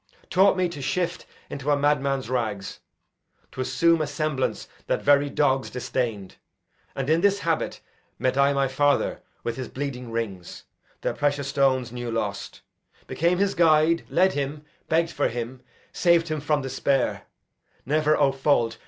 taught me to shift Into a madman's rags, t' assume a semblance That very dogs disdain'd; and in this habit Met I my father with his bleeding rings, Their precious stones new lost; became his guide, Led him, begg'd for him, sav'd him from despair; Never (O fault!)